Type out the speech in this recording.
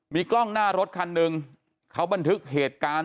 มีกล้องหน้ารถคันหนึ่งเขาบันทึกเหตุการณ์